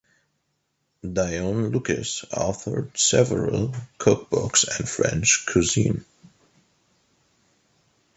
Dione Lucas authored several cookbooks on French cuisine.